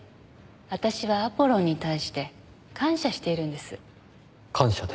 私はアポロンに対して感謝しているんです。